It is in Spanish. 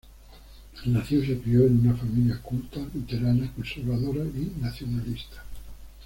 Nació y se crio en una familia culta, luterana, conservadora y nacionalista.